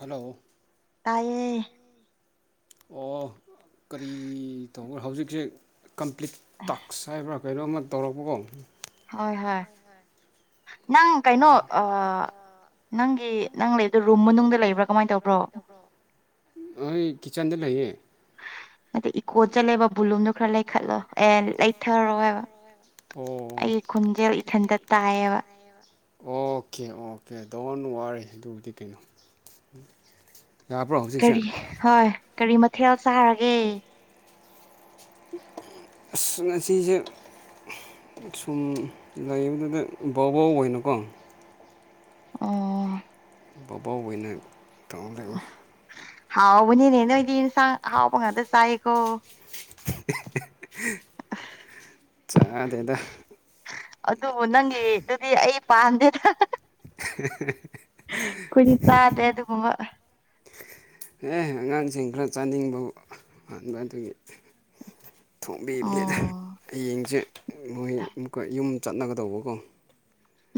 hello ꯇꯥꯏꯌꯦ ꯑꯣ ꯀꯔꯤ ꯇꯧꯕꯔ ꯍꯧꯖꯤꯛꯁꯦ ꯀꯝꯄ꯭ꯂꯤꯠ ꯇꯥꯛꯁ ꯍꯥꯏꯕ꯭ꯔꯥ ꯀꯩꯅꯣꯝꯃ ꯇꯧꯔꯛꯄꯀꯣ ꯍꯣꯏ ꯍꯣꯏ ꯅꯪ ꯀꯩꯅꯣ ꯑꯥ ꯅꯪꯒꯤ ꯅꯪ ꯂꯩꯗꯨ ꯔꯨꯝ ꯃꯅꯨꯡꯗ ꯂꯩꯕ꯭ꯔꯥ ꯀꯃꯥꯏꯅ ꯇꯧꯕ꯭ꯔꯣ ꯑꯩ ꯀꯤꯠꯆꯟꯗ ꯂꯩꯌꯦ ꯑꯗꯣ ꯏꯀꯣ ꯆꯠꯂꯦꯕ ꯕꯨꯂꯨꯝꯗꯨ ꯈꯔ ꯂꯩꯈꯠꯂꯣ ꯑꯦ ꯂꯩꯊꯔꯣ ꯍꯥꯏꯕ ꯑꯣ ꯑꯩ ꯈꯨꯟꯖꯦꯜ ꯏꯊꯟꯇ ꯇꯥꯏꯌꯦꯕ ꯑꯣꯀꯦ ꯑꯣꯀꯦ ꯗꯣꯟ ꯋꯥꯔꯤ ꯑꯗꯨꯕꯨꯗꯤ ꯀꯩꯅꯣ ꯌꯥꯕ꯭ꯔꯣ ꯍꯧꯖꯤꯛꯁꯦ ꯀꯔꯤ ꯍꯣꯏ ꯀꯔꯤ ꯃꯊꯦꯜ ꯆꯥꯔꯒꯦ ꯑꯁ ꯉꯁꯤꯁꯦ ꯁꯨꯝ ꯂꯩꯕꯗꯨꯗ ꯕꯋꯥꯎ ꯑꯣꯏꯅꯀꯣ ꯑꯣ ꯕꯧꯕꯥꯎꯕ ꯑꯣꯏꯅ ꯇꯧ ꯂꯩꯔꯦ ꯍꯥꯎꯕꯅꯤꯅꯦ ꯅꯣꯏꯗꯤ ꯏꯟꯁꯥꯡ ꯑꯍꯥꯎꯕ ꯉꯛꯗ ꯆꯥꯏꯀꯣ ꯆꯥꯗꯦꯗ ꯑꯗꯨꯕꯨ ꯅꯪꯒꯤ ꯑꯗꯨꯗꯤ ꯑꯩ ꯄꯥꯝꯗꯦꯗ ꯑꯩꯈꯣꯏꯗꯤ ꯆꯥꯗꯦ ꯑꯗꯨꯒꯨꯝꯕ ꯑꯦ ꯑꯉꯥꯡꯁꯤꯡ ꯈꯔ ꯆꯥꯅꯤꯡꯕ ꯍꯥꯟꯕ ꯑꯗꯨꯒꯤ ꯑꯣ ꯊꯣꯡꯕꯤꯕꯅꯤꯗ ꯍꯌꯦꯡꯁꯦ ꯃꯣꯏ ꯑꯃꯨꯛꯀ ꯌꯨꯝ ꯆꯠꯅꯒꯗꯧꯕꯀꯣ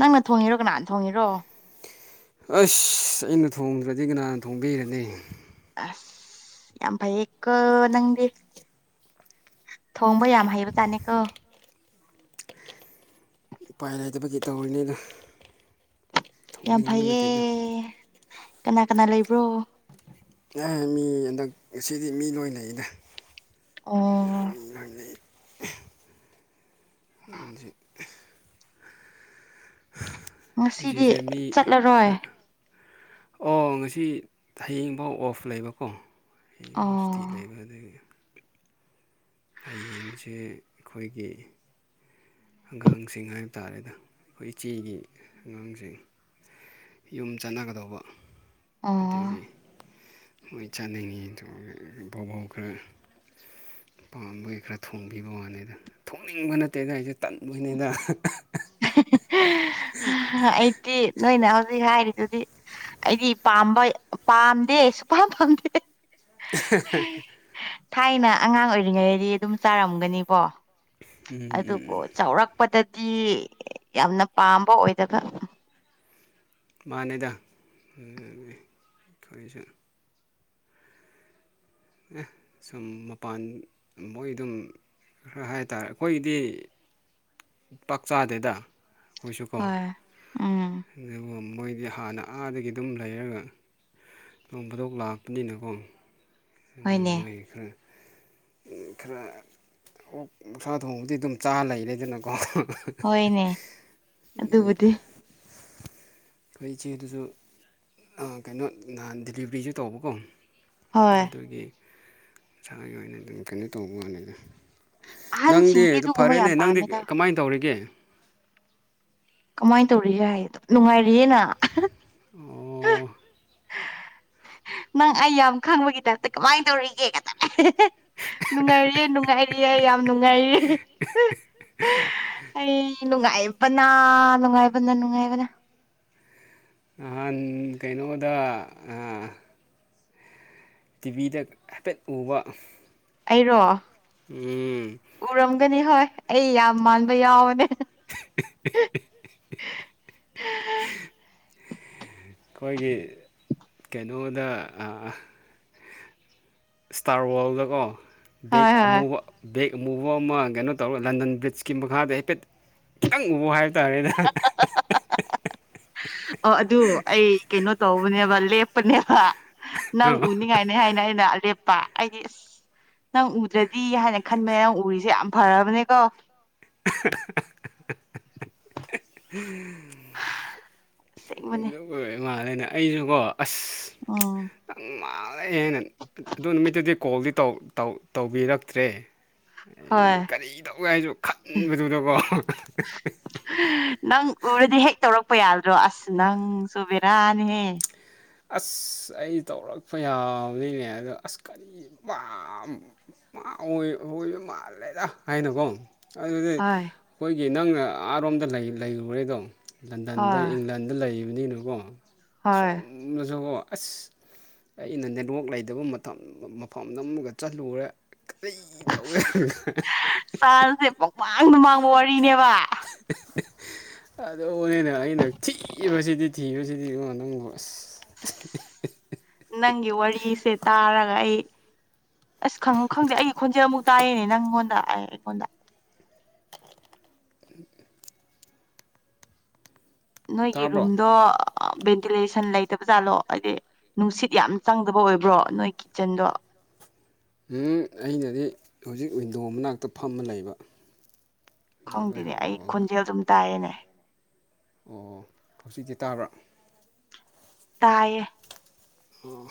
ꯅꯪꯅ ꯊꯣꯡꯉꯤꯔꯣ ꯀꯅꯥꯅ ꯊꯣꯡꯉꯤꯔꯣ ꯑꯁ ꯑꯩꯅ ꯊꯣꯡꯗ꯭ꯔꯗꯤ ꯀꯅꯥꯅ ꯊꯣꯡꯕꯤꯒꯅꯤ ꯑꯁ ꯌꯥꯝ ꯐꯩꯌꯦꯀꯣ ꯅꯪꯗꯤ ꯊꯣꯡꯕ ꯌꯥꯝ ꯍꯩꯕ ꯖꯥꯠꯅꯤꯀꯣ ꯏꯄꯥꯏ ꯂꯩꯗꯕꯒꯤ ꯇꯧꯔꯤꯅꯤꯗ ꯌꯥꯝ ꯊꯣꯡꯅꯤꯡꯕ ꯐꯩꯌꯦ ꯅꯠꯇꯦꯗ ꯀꯅꯥ ꯀꯅꯥ ꯂꯩꯕ꯭ꯔꯣ ꯑꯦ ꯃꯤ ꯍꯟꯗꯛ ꯉꯁꯤꯗꯤ ꯃꯤ ꯂꯣꯏ ꯂꯩꯗ ꯑꯣ [unintelligible] [unintelligible] ꯉꯁꯤꯗꯤ ꯑꯁꯤꯖꯤꯁꯦ ꯃꯤ ꯆꯠꯂꯔꯣꯏ ꯈꯔ ꯑꯣ ꯉꯁꯤ ꯍꯌꯦꯡꯐꯥꯎ ꯑꯣꯐ ꯂꯩꯕꯀꯣ ꯍꯌꯦꯡꯐꯥꯎ ꯑꯣ ꯑꯣꯐꯇꯤ ꯂꯩꯕꯅꯦ ꯍꯌꯦꯡꯁꯦ ꯑꯩꯈꯣꯏꯒꯤ ꯑꯉꯥꯡꯁꯤꯡ ꯍꯥꯏꯕ ꯇꯥꯔꯦꯗ ꯑꯩꯈꯣꯏ ꯏꯆꯦꯒꯤ ꯑꯉꯥꯡꯁꯤꯡ ꯌꯨꯝ ꯆꯠꯅꯒꯗꯧꯕ ꯑꯣ ꯑꯗꯨꯒꯤ ꯃꯣꯏ ꯆꯥꯅꯤꯡꯉꯤ ꯑꯗꯨꯒ ꯕꯥꯎꯕꯥꯎ ꯈꯔ ꯄꯥꯝꯕꯒꯤ ꯈꯔ ꯊꯣꯡꯕꯤꯕ ꯋꯥꯅꯤꯗ ꯊꯣꯡꯅꯤꯡꯕ ꯅꯠꯇꯦꯅ ꯑꯩꯁꯦ ꯇꯟꯕꯅꯤꯗ ꯑꯩꯗꯤ ꯅꯣꯏꯅ ꯍꯧꯖꯤꯛ ꯍꯥꯏꯔꯤꯗꯨꯗꯤ ꯑꯩꯗꯤ ꯄꯥꯝꯕ ꯄꯥꯝꯗꯦ ꯁꯨꯄꯥꯝ ꯄꯥꯝꯗꯦ [inaudible] ꯊꯥꯏꯅ ꯑꯉꯥꯡ ꯑꯣꯏꯔꯤꯉꯩꯗꯗꯤ ꯑꯗꯨꯝ ꯆꯥꯔꯝꯒꯅꯤꯀꯣ ꯎꯝ ꯎꯝ ꯑꯗꯨꯕꯨ ꯎꯝ ꯆꯥꯎꯔꯛꯄꯗꯗꯤ ꯌꯥꯝꯅ ꯄꯥꯝꯕ ꯑꯣꯏꯗꯕ ꯃꯥꯅꯦꯗ ꯑꯦ ꯁꯨꯝ ꯃꯄꯥꯟ ꯃꯣꯏ ꯑꯗꯨꯝ ꯈꯔ ꯍꯥꯏꯇꯥꯔꯦ ꯑꯩꯈꯣꯏꯒꯤꯗꯤ ꯄꯥꯛ ꯆꯥꯗꯦꯗ ꯑꯩꯈꯣꯏꯁꯨ ꯀꯣ ꯍꯣꯏ ꯎꯝ ꯑꯗꯨꯒ ꯃꯣꯏꯗꯤ ꯍꯥꯟꯅ ꯑꯥꯗꯒꯤ ꯑꯗꯨꯝ ꯂꯩꯔꯒ ꯅꯣꯡ ꯐꯗꯣꯛ ꯂꯥꯛꯄꯅꯤꯅꯀꯣ ꯑꯗꯨꯢ ꯍꯣꯏꯅꯦ ꯃꯣꯢꯒꯤ ꯈꯔ ꯎꯝ ꯈꯔ ꯑꯣ ꯑꯣꯛꯁꯥ ꯊꯣꯡꯕꯗꯤ ꯑꯗꯨꯝ ꯆꯥ ꯂꯩꯔꯦꯗꯨꯅ ꯀꯣ ꯍꯣꯏꯅꯦ ꯑꯗꯨꯕꯨꯗꯤ ꯑꯩꯈꯣꯏ ꯏꯆꯦꯗꯨꯁꯨ ꯑꯥ ꯀꯩꯅꯣ ꯅꯍꯟ ꯗꯤꯂꯤꯕ꯭ꯔꯤꯁꯨ ꯇꯧꯕꯀꯣ ꯍꯣꯏ ꯑꯗꯨꯒꯤ ꯏꯁꯥꯒꯤ ꯑꯣꯏꯅ ꯑꯗꯨꯝ ꯀꯩꯅꯣ ꯇꯧꯕ ꯋꯥꯅꯤꯗ ꯅꯪꯗꯤ ꯑꯍꯟꯁꯤꯡꯗꯤ ꯑꯗꯨ ꯑꯗꯨꯒꯨꯝꯕ ꯐꯔꯦꯅꯦ ꯌꯥꯝ ꯅꯪꯗꯤ ꯄꯥꯝꯃꯦꯗ ꯀꯃꯥꯏ ꯇꯧꯔꯤꯒꯦ ꯀꯃꯥꯏ ꯇꯧꯔꯤꯒꯦ ꯍꯥꯏꯌꯦ ꯑꯗꯨꯝ ꯅꯨꯡꯉꯥꯏꯔꯤꯌꯦꯅ ꯑꯣ ꯅꯪ ꯑꯩ ꯌꯥꯝ ꯈꯪꯕꯒꯤ ꯇꯥꯏꯞꯇ ꯀꯃꯥꯏ ꯇꯧꯔꯤꯒꯦ ꯀꯥꯢꯅ ꯅꯨꯡꯉꯥꯏꯔꯤꯌꯦ ꯅꯨꯡꯉꯥꯏꯔꯤꯌꯦ ꯌꯥꯝ ꯅꯨꯡꯉꯥꯏꯔꯤ ꯑꯩ ꯅꯨꯡꯉꯥꯏꯕꯅ ꯅꯨꯡꯉꯥꯏꯕꯅ ꯅꯨꯡꯉꯥꯏꯕꯅ ꯅꯍꯥꯟ ꯀꯩꯅꯣꯗ ꯑꯥ ꯇꯤꯚꯤꯗ ꯍꯥꯏꯐꯦꯠ ꯎꯕ ꯑꯩꯔꯣ ꯎꯝ ꯎꯔꯝꯒꯅꯤ ꯍꯣꯏ ꯑꯩ ꯌꯥꯝ ꯃꯥꯟꯕ ꯌꯥꯎꯕꯅꯦ [inaudible] ꯑꯩꯈꯣꯏꯒꯤ ꯀꯩꯅꯣꯗ ꯏꯁꯇꯥꯔ ꯋꯥꯜꯗ ꯀꯣ ꯕꯦꯛ ꯍꯣꯏ ꯍꯣꯏ ꯑꯃꯨꯕ ꯕꯦꯛ ꯑꯃꯨꯕ ꯑꯃ ꯀꯩꯅꯣ ꯇꯧꯔꯒ ꯂꯟꯗꯟ ꯕ꯭ꯔꯤꯖꯀꯤ ꯃꯈꯥꯗ ꯍꯥꯏꯐꯦꯠ ꯈꯤꯇꯪ ꯎꯕ ꯍꯥꯏꯇꯥꯔꯦꯅꯦ ꯑꯣ ꯑꯗꯨ ꯑꯩ ꯀꯩꯅꯣ ꯇꯧꯕꯅꯦꯕ ꯂꯦꯞꯄꯅꯦꯕ ꯅꯪ ꯑꯗꯨ ꯎꯅꯤꯡꯉꯥꯏꯅꯤ ꯍꯥꯏꯅ ꯑꯩꯅ ꯂꯦꯞ ꯄ ꯑꯩꯗꯤ ꯑꯁ ꯅꯪ ꯎꯗ꯭ꯔꯗꯤ ꯍꯥꯏꯅ ꯈꯟꯕꯅꯦ ꯅꯪ ꯎꯔꯤꯁꯦ ꯌꯥꯝ ꯐꯔꯕꯅꯦꯀꯣ [inaudible] ꯑꯁꯦꯡꯕꯅꯦ ꯍꯣꯏ ꯃꯥꯅꯦ ꯑꯩꯅꯥ ꯑꯩꯁꯨ ꯀꯣ ꯑꯁ ꯎꯝ ꯅꯪ ꯃꯥꯜꯂꯦꯅ ꯑꯗꯨ ꯅꯨꯃꯤꯠꯇꯨꯗꯤ ꯀꯣꯜꯗꯤ ꯇꯧ ꯇꯧ ꯇꯧꯕꯤꯔꯛꯇ꯭ꯔꯦ ꯍꯣꯏ ꯑꯩꯩꯅ ꯀꯔꯤ ꯇꯧꯒꯦ ꯍꯥꯏꯁꯨ ꯈꯟꯕꯗꯨꯗꯀꯣ ꯅꯪ ꯎꯔꯗꯤ ꯍꯦꯛ ꯇꯧꯔꯛꯄ ꯌꯥꯗ꯭ꯔꯣ ꯑꯁ ꯅꯪꯁꯨꯨ ꯕꯦꯔꯥꯅꯤꯍꯦ ꯑꯁ ꯑꯩ ꯇꯧꯔꯛꯄ ꯌꯥꯕꯅꯤꯅꯦ ꯑꯗꯣ ꯑꯁ ꯀꯔꯤ ꯃꯟ ꯃꯥ ꯑꯣꯏ ꯑꯣꯢꯕꯥ ꯃꯥꯜꯂꯦꯗ ꯍꯥꯏꯅꯀꯣ ꯑꯗꯨꯗꯤ ꯍꯣꯏ ꯑꯩꯈꯣꯏꯒꯤ ꯅꯪ ꯑꯔꯣꯝꯗ ꯂꯩ ꯂꯩꯔꯨꯔꯦꯗꯣ ꯂꯟꯗꯟꯗ ꯍꯣꯏ ꯏꯪꯂꯦꯟꯗ ꯂꯩꯔꯤꯕꯅꯤꯅꯀꯣ ꯍꯣꯏ ꯑꯁꯣꯝꯅꯁꯨꯀꯣ ꯑꯁ ꯑꯩꯅ ꯅꯦꯠꯋꯥꯛ ꯂꯩꯇꯕ ꯃꯇꯝ ꯃꯐꯝꯗ ꯑꯃꯨꯛꯒ ꯆꯠꯂꯨꯔꯦ [unintelligible] ꯆꯥꯟꯁ ꯁꯦ ꯄꯛꯃꯥꯡꯗ ꯃꯥꯡꯕ ꯋꯥꯔꯤꯅꯦꯕ [inaudible] ꯑꯗꯨꯅꯦꯅꯦ ꯑꯩꯅ ꯊꯤꯕꯁꯤꯗꯤ ꯊꯤꯕꯁꯤꯗꯤ ꯏꯕꯨꯉꯣ ꯅꯪꯕꯨ ꯑꯁ ꯅꯪꯒꯤ ꯋꯥꯔꯤꯁꯦ ꯇꯥꯔꯒ ꯑꯩ ꯑꯁ ꯈꯪꯉꯨ ꯈꯪꯗꯦ ꯑꯩꯒꯤ ꯈꯣꯟꯖꯦꯜ ꯑꯃꯨꯛ ꯇꯥꯏꯌꯦꯅꯦ ꯅꯪꯉꯣꯟꯗ ꯑ ꯑꯩꯉꯣꯟꯗ [inaudible] ꯅꯣꯏꯒꯤ ꯇꯥꯕ꯭ꯔꯣ ꯔꯨꯝꯗꯣ ꯚꯦꯟꯇꯤꯂꯦꯁꯟ ꯂꯩꯇꯕ ꯖꯥꯠꯂꯣ ꯍꯥꯏꯗꯤ ꯅꯨꯡꯁꯤꯠ ꯌꯥꯝ ꯆꯪꯗꯕ ꯑꯣꯏꯕ꯭ꯔꯣ ꯅꯣꯏ ꯀꯤꯠꯆꯟꯗꯣ ꯍꯝ ꯑꯩꯅꯗꯤ ꯍꯧꯖꯤꯛ ꯋꯤꯟꯗꯣ ꯃꯅꯥꯛꯇ ꯐꯝꯃ ꯂꯩꯕ ꯋꯤꯟꯗꯣ ꯂꯣꯏ ꯈꯪꯗꯦꯅꯦ ꯑꯩ ꯍꯥꯡꯗꯣꯛꯑꯒ ꯈꯣꯟꯖꯦꯜ ꯑꯗꯨꯝ ꯇꯥꯏꯌꯦꯅꯦ ꯑꯣ ꯍꯧꯖꯤꯛꯇꯤ ꯇꯥꯕ꯭ꯔꯥ ꯇꯥꯏꯌꯦ ꯑꯣ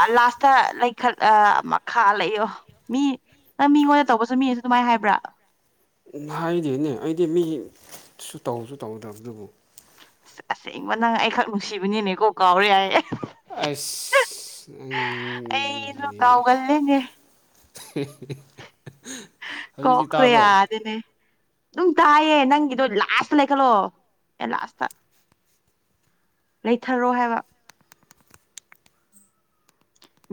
ꯑ ꯂꯥꯁꯇ ꯂꯩꯈꯠ ꯑ ꯃꯈꯥ ꯂꯩꯌꯣ ꯃꯤ ꯅꯪ ꯃꯤꯉꯣꯟꯗ ꯇꯧꯕꯁꯨ ꯃꯤꯅꯁꯨ ꯑꯗꯨꯃꯥꯏꯅ ꯍꯥꯏꯕ꯭ꯔꯥ ꯎ ꯍꯥꯏꯗꯤꯅꯦ ꯑꯩꯗꯤ ꯃꯤꯁꯨ ꯇꯧꯁꯨ ꯇꯧꯗꯕꯗꯨꯕꯨ ꯑꯁꯦꯡꯕ ꯅꯪ ꯑꯩꯈꯛ ꯅꯨꯡꯁꯤꯕꯅꯤꯅꯦꯀꯣ ꯀꯥꯎꯔꯦ ꯍꯥꯏꯌꯦ ꯑꯁ ꯑꯩꯁꯨ ꯅꯪꯁꯤꯗꯤ ꯀꯥꯎꯒꯜꯂꯦꯅꯦ [unintelligible] ꯍꯧꯖꯤꯛꯇꯤ [unintelligible] ꯇꯥꯕ꯭ꯔꯣ ꯌꯥꯗꯦꯅꯦ ꯑꯗꯨꯝ ꯇꯥꯏꯌꯦ ꯅꯪꯒꯤꯗꯣ ꯂꯥꯁꯇ ꯂꯩ ꯈꯠꯂꯣ ꯑꯦ ꯂꯥꯁꯇ ꯂꯩꯊꯔꯣ ꯍꯥꯏꯕ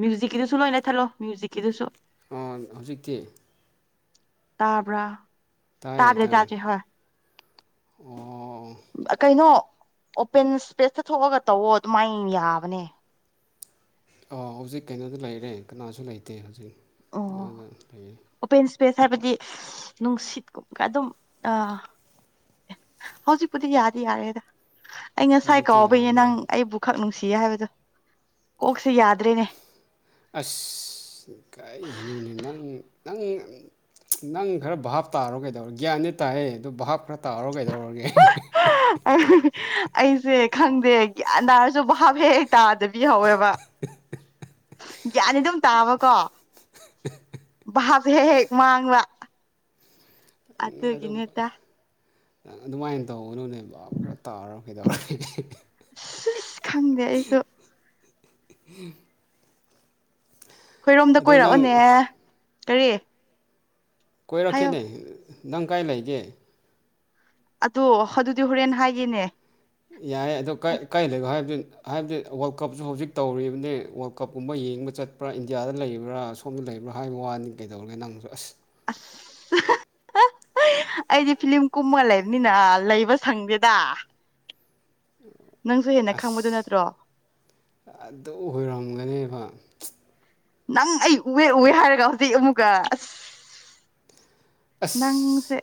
ꯃ꯭ꯌꯨꯖꯤꯛꯀꯤꯗꯨꯁꯨ ꯂꯣꯏꯅ ꯂꯩꯊꯠꯂꯣ ꯃ꯭ꯌꯨꯖꯤꯛꯀꯤꯗꯨꯁꯨ ꯑꯣ ꯍꯧꯖꯤꯛꯇꯤ ꯇꯥꯕ꯭ꯔꯥ ꯇꯥꯏꯌꯦ ꯇꯥꯗ꯭ꯔꯦ ꯇꯥꯏꯌꯦ ꯇꯥꯗ꯭ꯔꯦ ꯍꯣꯏ ꯑꯣ ꯀꯩꯅꯣ ꯑꯣꯄꯦꯟ ꯏꯁꯄꯦꯁꯇ ꯊꯣꯛꯑꯒ ꯇꯧꯋꯣ ꯑꯗꯨꯃꯥꯏꯅ ꯌꯥꯕꯅꯦ ꯑꯣ ꯍꯧꯖꯤꯛ ꯀꯩꯅꯣꯗ ꯂꯩꯔꯦ ꯀꯅꯥꯁꯨ ꯂꯩꯇꯦ ꯍꯧꯖꯤꯛ ꯑꯣ ꯀꯩꯅꯣꯗ ꯂꯩꯔꯦ ꯑꯣꯄꯦꯟ ꯏꯁꯄꯦꯁ ꯍꯥꯏꯕꯗꯤ ꯅꯨꯡꯁꯤꯠꯀꯨꯝꯕꯒ ꯑꯗꯨꯝ ꯑ ꯍꯧꯖꯤꯛꯄꯨꯗꯤ ꯌꯥꯗꯤ ꯌꯥꯔꯦꯗ ꯑꯩ ꯉꯁꯥꯏ ꯍꯧꯖꯤꯛꯇꯤ ꯀꯥꯎꯕꯩꯅꯦ ꯅꯪ ꯌꯥꯔꯅꯤꯗ ꯑꯩꯕꯨ ꯈꯛ ꯅꯨꯡꯁꯤꯌꯦ ꯍꯥꯏꯕꯗꯣ ꯀꯣꯛꯁꯤ ꯌꯥꯗ꯭ꯔꯦꯅꯦ ꯑꯁ ꯀꯩꯒꯤꯅꯣꯅꯦ ꯅꯪ ꯅꯪ ꯅꯪ ꯈꯔ ꯚꯥꯞ ꯇꯥꯔꯣ ꯀꯩꯗꯧꯔꯣ ꯒ꯭ꯌꯥꯟꯗꯤ ꯇꯥꯑꯦ ꯑꯗꯨꯗꯣ ꯚꯥꯞ ꯈꯔ ꯇꯥꯔꯔꯣ ꯀꯩꯗꯧꯔꯒꯦ [inaudible] ꯑꯩꯁꯦ ꯈꯪꯗꯦ ꯒ꯭ꯌꯥꯟ ꯇꯥꯔꯁꯨ ꯚꯥꯞ ꯍꯦꯛ ꯍꯦꯛ ꯇꯥꯗꯕꯤ ꯍꯧꯋꯦꯕ [inaudible] ꯒ꯭ꯌꯥꯟꯗꯤ ꯑꯗꯨꯝ ꯇꯥꯕꯀꯣ ꯚꯥꯕ ꯍꯦꯛ ꯍꯦꯛ ꯃꯥꯡꯕ ꯑꯦ ꯑꯗꯨꯝ ꯑꯗꯨꯒꯤꯅꯦꯗ ꯑꯗꯨꯃꯥꯏꯅ ꯇꯧꯒꯅꯨꯅꯦ ꯚꯥꯕ ꯈꯔ ꯇꯥꯔꯣ ꯀꯩꯗꯧꯔꯒꯦ ꯑꯁꯤꯁ ꯈꯪꯗꯦ ꯑꯩꯁꯨ ꯎꯝ ꯑꯩꯈꯣꯏꯔꯣꯝꯗ ꯑꯗꯣ ꯀꯣꯏꯔꯛꯑꯣꯅꯦ ꯅꯪ ꯀꯔꯤ ꯍꯥꯏꯌꯣ ꯀꯣꯏꯔꯛꯀꯦꯅꯦ ꯅꯪ ꯀꯥꯏ ꯂꯩꯒꯦ ꯑꯗꯣ ꯑꯗꯨꯗꯤ ꯍꯣꯔꯦꯟ ꯍꯥꯏꯒꯦꯅꯦ ꯌꯥꯏ ꯑꯗꯣ ꯀꯥꯏ ꯂꯩꯒꯣ ꯍꯥꯏꯕꯗꯤ ꯍꯥꯏꯕꯗꯤ ꯋꯥꯔꯜ ꯀꯞꯁꯨ ꯍꯧꯖꯤꯛ ꯇꯧꯔꯤꯕꯅꯤ ꯋꯥꯔꯜ ꯀꯞꯀꯨꯝꯕ ꯌꯦꯡꯕ ꯆꯠ ꯄꯨꯔꯥ ꯏꯟꯗꯤꯌꯥꯗ ꯂꯩꯔꯤꯕ꯭ꯔꯥ ꯑ ꯁꯣꯝꯗ ꯂꯩꯕ꯭ꯔꯥ ꯍꯥꯏꯕ ꯋꯥꯅꯤ ꯀꯩꯗꯧꯔꯒꯦ ꯅꯪꯁꯨ ꯑꯁ ꯑꯁ [inaudible] ꯑꯩꯗꯤ ꯐꯤꯂꯤꯂꯝ ꯀꯨꯝꯃ ꯂꯩꯕꯅꯤꯅ ꯂꯩꯕ ꯁꯪꯗꯦꯗ ꯅꯪꯁꯨ ꯍꯦꯟꯅ ꯑꯁ ꯈꯪꯕꯗꯨ ꯅꯠꯇ꯭ꯔꯣ ꯑꯗꯨ ꯑꯣꯏꯔꯝꯒꯅꯦꯕ ꯅꯪ ꯑꯩ ꯎꯑꯦ ꯎꯑꯦ ꯍꯥꯏꯔꯒ ꯍꯧꯖꯤꯛ ꯑꯃꯨꯛꯀ ꯑꯁ ꯅꯪꯁꯦ ꯑꯁ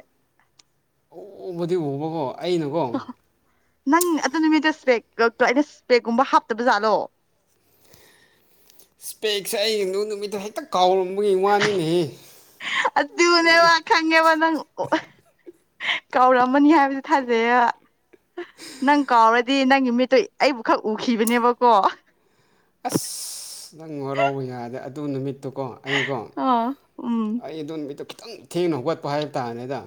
ꯎꯕꯗꯤ ꯎꯕꯀꯣ ꯑꯩꯅꯀꯣ ꯅꯪ ꯑꯗꯨ ꯅꯨꯃꯤꯠꯇ ꯏꯁ꯭ꯄꯦꯒꯛꯇꯣ ꯑꯩꯅ ꯏꯁꯄꯦꯒꯀꯨꯝꯕ ꯍꯥꯞꯇꯕ ꯖꯥꯠꯂꯣ ꯏꯁꯄꯦꯛꯁꯦ ꯑꯩ ꯑꯗꯨ ꯅꯨꯃꯤꯠꯇ ꯍꯦꯛꯇ ꯀꯥꯎꯔꯝꯕꯒꯤ ꯋꯥꯅꯤꯅꯦꯍꯦ ꯑꯗꯨꯅꯦꯕ ꯈꯪꯉꯦꯕ ꯅꯪ ꯑꯣ ꯀꯧꯔꯝꯃꯅꯤ ꯍꯥꯏꯕꯁꯦ ꯊꯥꯖꯩꯌꯦꯕ ꯅꯪ ꯀꯥꯎꯔꯗꯤ ꯅꯪꯒꯤ ꯃꯤꯠꯇꯣ ꯑꯩꯕꯨ ꯈꯛ ꯎꯈꯤꯕꯅꯦꯕꯀꯣ ꯑꯁ ꯅꯪ ꯋꯥꯔꯧꯕ ꯌꯥꯗꯦ ꯑꯗꯨ ꯅꯨꯃꯤꯠꯇꯨꯀꯣ ꯑꯩꯀꯣ ꯑ ꯎꯝ ꯑꯩ ꯑꯗꯨ ꯅꯨꯃꯤꯠꯇꯣ ꯈꯤꯇꯪ ꯊꯦꯡꯅ ꯍꯧꯒꯠꯄ ꯍꯥꯏꯕ ꯇꯥꯅꯦꯗ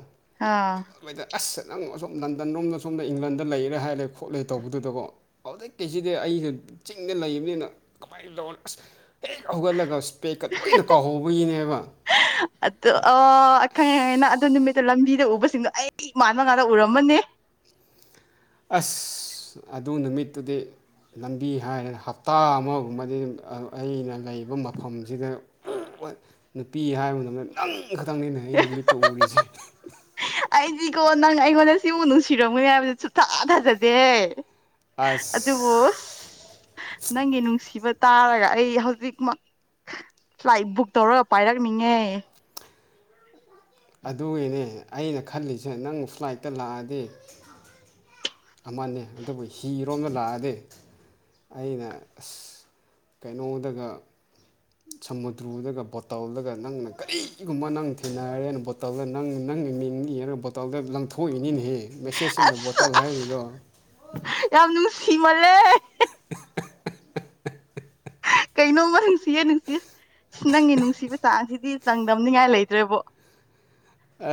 ꯑꯥ ꯃꯣꯏꯗ ꯑꯁ ꯅꯪ ꯑꯁꯝ ꯂꯟꯗꯟꯔꯣꯝꯗ ꯁꯣꯝꯗ ꯏꯪꯂꯟꯗ ꯂꯩꯔꯦ ꯍꯥꯏꯔꯦ ꯈꯣꯠꯂꯦ ꯇꯧꯕꯗꯨꯗꯀꯣ ꯍꯧꯖꯤꯛ ꯀꯩꯁꯤꯗꯤ ꯑꯩꯅ ꯆꯤꯡꯗ ꯂꯩꯕꯅꯤꯅ ꯀꯃꯥꯏꯅ ꯇꯧꯅꯤ ꯑꯁ ꯍꯦꯛ ꯍꯧꯒꯠꯂꯒ ꯏꯁ꯭ꯄꯦꯛꯀ ꯂꯣꯏꯅ ꯀꯥꯎꯍꯧꯕꯒꯤꯅꯦꯕ ꯑꯗꯨ ꯑꯣ ꯈꯪꯉꯦ ꯑꯁ ꯈꯪꯉꯦ ꯅꯪ ꯑꯗꯨ ꯅꯨꯃꯤꯠꯇꯣ ꯂꯝꯕꯤꯗ ꯎꯕꯁꯤꯡꯗꯣ ꯑꯩ ꯃꯥꯟꯕ ꯉꯥꯛꯇ ꯎꯔꯝꯃꯅꯤ ꯑꯁ ꯑꯗꯨ ꯅꯨꯃꯤꯠꯇꯨꯗꯤ ꯂꯝꯕꯤ ꯍꯥꯏꯔꯒ ꯍꯞꯇꯥ ꯑꯃꯒꯨꯝꯕꯗꯤ ꯑꯩꯅ ꯂꯩꯕ ꯃꯐꯝꯁꯤꯗ ꯅꯨꯄꯤ ꯍꯥꯏꯕ ꯃꯇꯝꯗ ꯅꯪ ꯈꯛꯇꯪꯅꯤꯅꯦ ꯑꯩꯅ ꯃꯤꯠꯇ ꯎꯔꯤꯁꯦ ꯑꯩꯗꯤꯀꯣ ꯅꯪ ꯑꯩꯉꯣꯟꯗ ꯁꯤꯃꯨꯛ ꯅꯨꯡꯁꯤꯔꯝꯒꯅꯤ ꯍꯥꯏꯕꯗꯤ ꯁꯨꯛꯊꯥ ꯊꯥꯖꯗꯦ ꯑꯗꯨꯕꯨ ꯑꯁ ꯅꯪꯒꯤ ꯅꯨꯡꯁꯤꯕ ꯇꯥꯔꯒ ꯑꯩ ꯍꯧꯖꯤꯛꯃꯛ ꯐ꯭ꯂꯥꯏꯠ ꯕꯨꯛ ꯇꯧꯔꯒ ꯄꯥꯏꯔꯛꯅꯤꯡꯉꯦ ꯑꯗꯨꯒꯤꯅꯦ ꯑꯩꯅ ꯈꯜꯂꯤꯁꯦ ꯅꯪ ꯐ꯭ꯂꯥꯏꯠꯇ ꯂꯥꯛꯑꯗꯤ ꯑꯃꯅꯤ ꯑꯗꯨꯕꯨ ꯍꯤꯔꯣꯝꯗ ꯂꯥꯛꯑꯗꯤ ꯑꯩꯅ ꯑꯁ ꯀꯩꯅꯣꯗꯒ ꯁꯃꯨꯗ꯭ꯔꯨꯗꯒ ꯕꯣꯠꯗꯥꯜꯗꯒ ꯅꯪꯅ ꯀꯔꯤꯒꯨꯝꯕ ꯅꯪ ꯊꯦꯡꯅꯔꯦꯅ ꯕꯣꯠ ꯕꯣꯇꯜꯗ ꯅꯪ ꯅꯪ ꯃꯤꯡ ꯏꯔꯒ ꯕꯣꯇꯜꯗ ꯂꯪꯊꯣꯛꯏꯅꯤꯅꯦꯍꯦ ꯃꯦꯁꯦꯖ ꯏꯟꯗ ꯑꯁ ꯕꯣꯇꯜ ꯍꯥꯏꯔꯤꯗꯣ ꯑꯁ ꯌꯥꯝ ꯅꯨꯡꯁꯤꯃꯜꯂꯦ [unintelligible] ꯀꯩꯅꯣꯝꯃ ꯅꯨꯡꯁꯤꯌꯦ ꯅꯨꯡꯁꯤ ꯅꯪꯒꯤ ꯅꯨꯡꯁꯤꯕ ꯆꯥꯡꯁꯤꯗꯤ ꯆꯪꯗꯝꯅꯤꯉꯥꯏ ꯂꯩꯇ꯭ꯔꯦꯕꯣ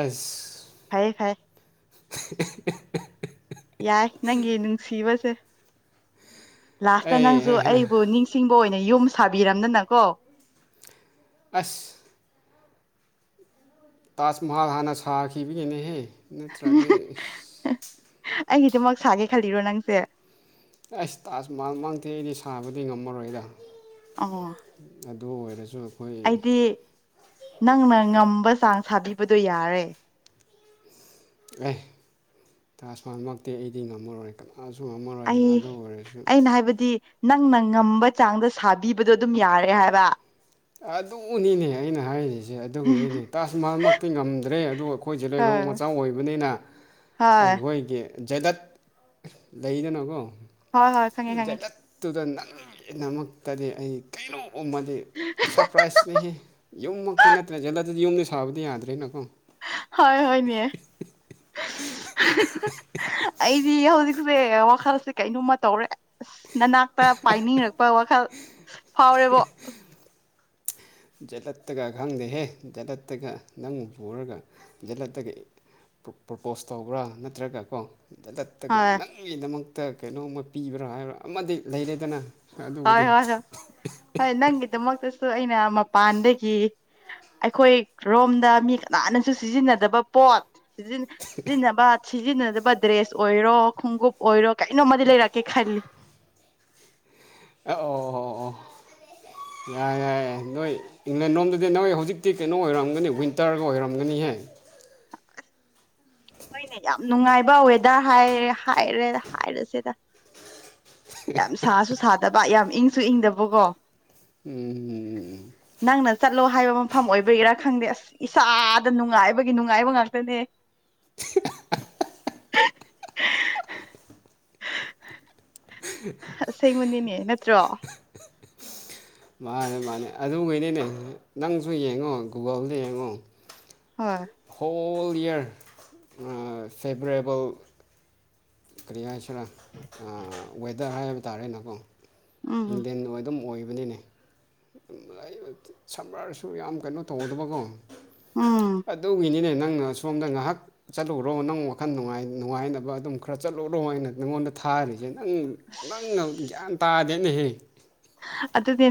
ꯑꯁ ꯐꯩ ꯐꯩ ꯑꯦ ꯑꯦ__ [unintelligible] ꯌꯥꯏ ꯅꯪꯒꯤ ꯅꯨꯡꯁꯤꯕꯁꯦ ꯂꯥꯁꯇ ꯑꯩ ꯅꯪꯁꯨ ꯍꯦ ꯍꯦ ꯑꯩꯕꯨ ꯅꯤꯡ ꯁꯤꯡꯕ ꯑꯣꯏꯅ ꯌꯨꯝ ꯁꯥꯕꯤꯔꯝꯗꯅꯀꯣ ꯑꯁ ꯇꯥꯖ ꯃꯍꯜ ꯍꯥꯟꯅ ꯁꯥꯈꯤꯕꯒꯤꯅꯦꯍꯦ ꯅꯠꯇ꯭ꯔꯗꯤ ꯑꯩꯒꯤꯗꯤꯃꯛ ꯁꯥꯒꯦ ꯈꯜꯂꯤꯔꯣ ꯅꯪꯁꯦ ꯑꯩꯁ ꯇꯥꯖ ꯃꯍꯜ ꯃꯥꯛꯇꯤ ꯑꯩꯗꯤ ꯁꯥꯕꯗꯤ ꯉꯝꯃꯔꯣꯏꯗ ꯑꯣ ꯑꯗꯨ ꯑꯣꯏꯔꯁꯨ ꯑꯩꯈꯣꯏ ꯑꯩꯗꯤ ꯅꯪꯅ ꯉꯝꯕ ꯆꯥꯡ ꯁꯥꯕꯤꯕꯗꯣ ꯌꯥꯔꯦ ꯑꯦ ꯇꯥꯁ ꯃꯥꯍꯜꯃꯛꯇꯤ ꯑꯩꯗꯤ ꯉꯝꯃꯔꯣꯏ ꯃꯥꯁꯨ ꯉꯝꯃꯔꯣꯏ ꯑꯩ ꯑꯗꯨ ꯑꯣꯏꯔꯁꯨ ꯑꯩꯅ ꯍꯥꯏꯕꯗꯤ ꯅꯪꯅ ꯉꯝꯕ ꯆꯥꯡꯗ ꯁꯥꯕꯤꯕꯗꯣ ꯑꯗꯨꯝ ꯌꯥꯔꯦ ꯍꯥꯏꯕ ꯑꯗꯨꯅꯤꯅꯦ ꯑꯩꯅ ꯍꯥꯏꯔꯤꯖꯦ ꯑꯗꯨꯒꯤꯅꯤꯅꯦ ꯇꯥꯁ ꯃꯍꯜꯃꯛꯇꯤ ꯉꯝꯗ꯭ꯔꯦ ꯑꯗꯨ ꯑꯩꯈꯣꯏ ꯖꯩꯂꯩꯔꯣꯡ ꯍꯣꯏ ꯃꯆꯥꯥ ꯑꯣꯏꯕꯅꯤꯅ ꯍꯣꯏ ꯑꯩꯈꯣꯏꯒꯤ ꯖꯦꯗꯠ ꯂꯩꯗꯅꯀꯣ ꯍꯣꯏ ꯍꯣꯏ ꯈꯪꯉꯦ ꯈꯪꯉꯦ ꯖꯦꯗꯠ ꯇꯨꯗ ꯅꯪꯒꯤꯗꯃꯛꯇꯗꯤ ꯑꯩ ꯀꯩꯅꯣ ꯁꯔꯄ꯭ꯔꯥꯏꯖꯅꯦꯍꯦ ꯌꯨꯝꯃꯛꯇꯤ ꯅꯠꯇ꯭ꯔꯦ ꯖꯠꯂ ꯑꯗꯨꯗꯤ ꯌꯨꯝꯗꯤ ꯁꯥꯕꯗꯤ ꯌꯥꯗ꯭ꯔꯦꯅꯀꯣ ꯍꯣꯏ ꯍꯣꯏꯃꯦ [unintelligible] [unintelligible] ꯑꯩꯗꯤ ꯍꯧꯖꯤꯛꯁꯦ ꯋꯥꯈꯜꯁꯦ ꯀꯩꯅꯣꯝꯃ ꯇꯧꯔꯦ ꯅꯅꯥꯛꯇ ꯄꯥꯏꯅꯤꯡꯔꯛꯄ ꯋꯥꯈꯜ ꯐꯥꯎꯔꯦꯕꯣ ꯖꯦꯠꯗꯠꯇꯒ ꯈꯪꯗꯦꯍꯦ ꯗꯦꯠꯗꯠꯇꯒ ꯅꯪ ꯄꯨꯔꯒ ꯖꯦꯠꯗꯠꯇꯒ ꯄ꯭ꯔꯄꯣꯁ ꯇꯧꯕ꯭ꯔꯥ ꯅꯠꯇ꯭ꯔꯒ ꯀꯣ ꯗꯠꯗꯠꯇꯒ ꯍꯣꯏ ꯅꯪꯒꯤꯗꯃꯛꯇ ꯀꯩꯅꯣꯝꯃ ꯄꯤꯕ꯭ꯔꯥ ꯍꯥꯏꯕ꯭ꯔꯥ ꯑꯃꯗꯤ ꯂꯩꯔꯦꯗꯅ ꯍꯣꯏ ꯑꯗꯨꯕꯨꯗꯤ ꯍꯣꯏ ꯍꯣꯏ ꯍꯣꯏ ꯅꯪꯒꯤꯗꯃꯛꯇꯁꯨ ꯑꯩꯅ ꯃꯄꯥꯟꯗꯒꯤ ꯑꯩꯈꯣꯏ ꯔꯣꯝꯗ ꯃꯤ ꯀꯅꯥꯅꯁꯨ ꯁꯤꯖꯤꯟꯅꯗꯕ ꯄꯣꯠ ꯁꯤꯖꯤꯟ ꯁꯤꯖꯤꯟꯅꯕ ꯁꯤꯖꯤꯟꯅꯗꯕ ꯗ꯭ꯔꯦꯁ ꯑꯣꯏꯔꯣ ꯈꯣꯡꯎꯞ ꯑꯣꯏꯔꯣ ꯀꯩꯅꯣꯝꯃꯗꯤ ꯂꯩꯔꯛꯀꯦ ꯈꯜꯂꯤ ꯑꯣ ꯑꯣ ꯌꯥꯏ ꯌꯥꯏ ꯅꯣꯏ ꯏꯪꯂꯦꯟ ꯂꯣꯝꯗꯗꯤ ꯅꯣꯏ ꯍꯧꯖꯤꯛꯇꯤ ꯀꯩꯅꯣ ꯑꯣꯏꯔꯝꯒꯅꯤ ꯋꯤꯟꯇꯔꯒ ꯑꯣꯏꯔꯝꯒꯅꯤꯍꯦ ꯍꯣꯏꯅꯦ ꯌꯥꯝ ꯅꯨꯡꯉꯥꯏꯕ ꯋꯦꯗꯔ ꯍꯥꯏꯔꯦ ꯍꯥꯏꯔꯦ ꯍꯥꯏꯔꯁꯤꯗ ꯌꯥꯝ ꯁꯥꯁꯨ ꯁꯥꯗꯕ ꯌꯥꯝ ꯏꯪꯁꯨ ꯏꯪꯗꯕꯀꯣ ꯎꯝ ꯅꯪꯅ ꯆꯠꯂꯣ ꯍꯥꯏꯕ ꯃꯐꯝ ꯑꯣꯏꯕꯒꯤꯔꯥ ꯈꯪꯗꯦ ꯑꯁ ꯏꯁꯥꯗ ꯅꯨꯡꯉꯥꯏꯕꯒꯤ ꯅꯨꯡꯉꯥꯏꯕ ꯉꯥꯛꯇꯅꯦ ꯑꯁꯦꯡꯕꯅꯤꯅꯦ ꯅꯠꯇ꯭ꯔꯣ ꯃꯥꯅꯦ ꯃꯥꯅꯦ ꯑꯗꯨꯒꯩꯅꯤꯅꯦ ꯅꯪꯁꯨ ꯌꯦꯡꯉꯣ ꯒꯨꯒꯜꯗ ꯌꯦꯡꯉꯣ ꯍꯣꯏ ꯍꯣꯜ ꯏꯌꯔ ꯑꯥ ꯐꯦꯕ꯭ꯔꯦꯌꯦꯕꯜ ꯀꯔꯤ ꯍꯥꯏꯁꯤꯔꯥ ꯑ ꯋꯦꯗꯔ ꯍꯥꯏꯕ ꯇꯥꯔꯦꯅꯀꯣ ꯎꯝ ꯏꯪꯗꯦꯟ ꯑꯗꯨꯝ ꯑꯣꯏꯕꯅꯤꯅꯦ [unintelligible] ꯁꯝꯃꯔꯁꯨ ꯌꯥꯝ ꯀꯩꯅꯣ ꯇꯧꯗꯕꯀꯣ ꯎꯝ ꯑꯗꯨꯒꯤꯅꯤꯅꯦ ꯅꯪꯅ ꯁꯣꯝꯗ ꯉꯍꯥꯛ ꯆꯠꯂꯨꯔꯣ ꯅꯪ ꯋꯥꯈꯜ ꯅꯨꯡꯉꯥꯏ ꯅꯨꯡꯉꯥꯏꯅꯕ ꯑꯗꯨꯝ ꯈꯔ ꯆꯠꯂꯨꯔꯣ ꯍꯥꯏꯅ ꯅꯉꯣꯟꯗ ꯊꯥꯔꯤꯖꯦ ꯅꯪ ꯅꯪꯅ ꯒ꯭ꯌꯥꯟ ꯇꯥꯗꯦꯅꯦꯍꯦ ꯑꯗꯨꯗꯤ ꯅ